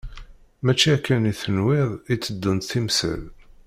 Mačči akken i tenwiḍ i teddunt temsal.